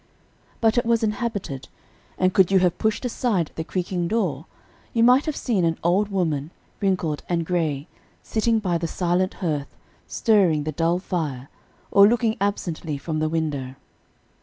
But it was inhabited, and could you have pushed aside the creaking door, you might have seen an old woman, wrinkled and gray, sitting by the silent hearth, stirring the dull fire, or looking absently from the window.